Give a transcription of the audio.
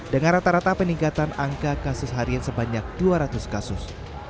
dengan rata rata peningkatan angka kasus harian sebanyak dua ratus kasus